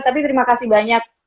tapi terima kasih banyak